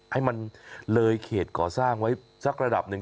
ให้มันเลยเขตก่อสร้างไว้สักระดับหนึ่ง